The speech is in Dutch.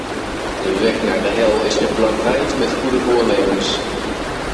De weg naar de hel is geplaveid met goede voornemens.